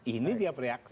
ini dia bereaksi